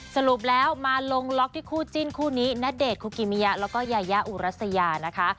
สรุปแล้วมาลงล็อกที่คู่จิ้นคู่นี้ณเดชนคุกิมิยะแล้วก็ยายาอุรัสยานะคะ